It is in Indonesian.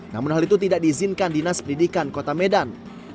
namun hal itu tidak diizinkan dinas pendidikan kota medan